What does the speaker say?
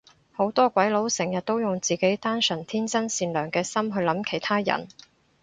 好多鬼佬成日都用自己單純天真善良嘅心去諗其他人